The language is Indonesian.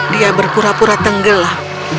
dia berpura pura tenggelam